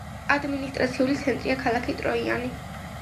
ადმინისტრაციული ცენტრია ქალაქი ტროიანი.